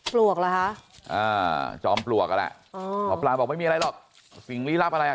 ปลวกเหรอคะอ่าจอมปลวกอ่ะแหละอ๋อหมอปลาบอกไม่มีอะไรหรอกสิ่งลี้ลับอะไรอ่ะ